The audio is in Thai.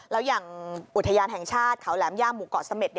แล้วอย่างอุทยานแห่งชาติเขาแหลมย่าหมู่เกาะเสม็ด